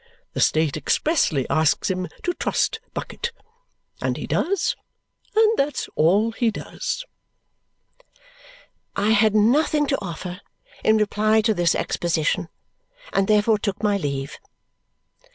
The state expressly asks him to trust to Bucket. And he does. And that's all he does!" I had nothing to offer in reply to this exposition and therefore took my leave. Mr.